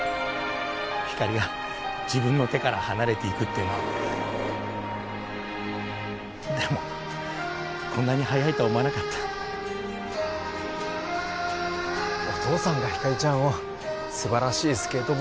ひかりが自分の手から離れていくっていうのはでもこんなに早いとは思わなかったお父さんがひかりちゃんを素晴らしいスケート